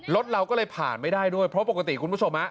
รถเราก็เลยผ่านไม่ได้ด้วยเพราะปกติคุณผู้ชม